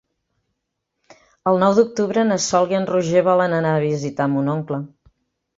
El nou d'octubre na Sol i en Roger volen anar a visitar mon oncle.